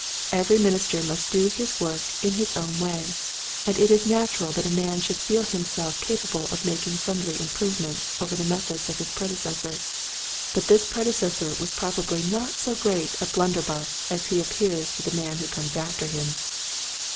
Every minister must do his work in his own way, and it is natural that a man should feel himself capable of making sundry improve ments over the methods of his predecessor, but this predecessor was probably not so great a blunderbuss as he appears to the man who comes after him.